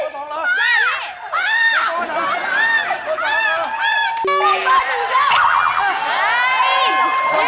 เบอร์๒เหรอ